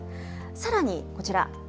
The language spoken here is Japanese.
さらに、こちら。